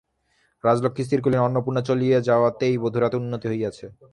রাজলক্ষ্মী স্থির করিলেন, অন্নপূর্ণা চলিয়া যাওয়াতেই বধূর এত উন্নতি হইয়াছে।